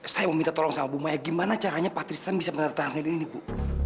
saya mau minta tolong sama bu maya gimana caranya patristan bisa menetangkan ini bu